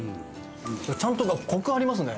ちゃんとコクありますね。